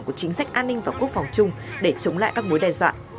của chính sách an ninh và quốc phòng chung để chống lại các mối đe dọa